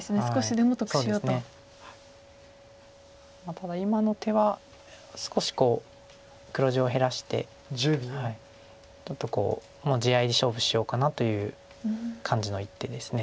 ただ今の手は少し黒地を減らしてちょっともう地合いで勝負しようかなという感じの一手です。